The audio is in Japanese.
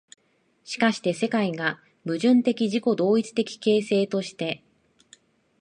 しかして世界が矛盾的自己同一的形成として、